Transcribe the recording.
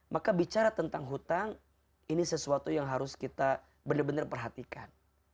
maka bicara tentang hutang ini sesuatu yang harus kita benar benar perhatikan